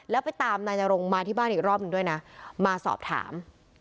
แล้วไปตามนายนรงมาที่บ้านอีกรอบหนึ่งด้วยนะมาสอบถาม